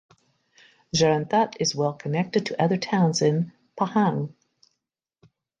Jerantut is well connected to other towns in Pahang.